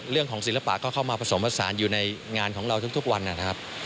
ศิลปะก็เข้ามาผสมผสานอยู่ในงานของเราทุกวันนะครับ